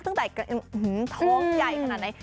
ตั้งแต่กระโหน่งู่คยายขนาดไหน